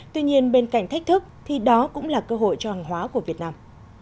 tuy nhiên bên cạnh thách thức thì đó cũng là cơ hội cho hàng hóa của việt nam